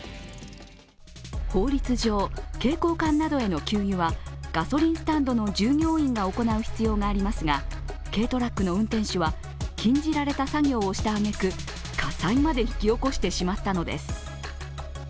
法律上、携行缶などへの給油はガソリンスタンドの従業員が行う必要がありますが軽トラックの運転手は禁じられた作業をしたあげく火災まで引き起こしてしまったのです。